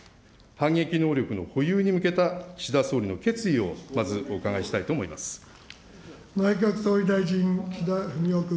反撃能力の保有に向けた岸田総理の決意をまずお伺いしたいと思い内閣総理大臣、岸田文雄君。